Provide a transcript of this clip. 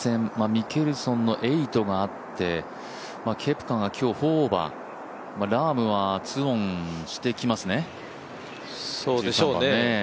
ミケルソンの８があってケプカが今日４オーバー、ラームは２オンしてきますね、１３番。